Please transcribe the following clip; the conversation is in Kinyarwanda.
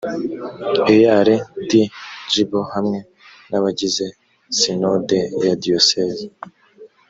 ear d gbo hamwe n abagize sinode ya diyoseze